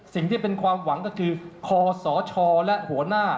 สิ่งที่เป็นความหวังก็คือคศและหัวหน้า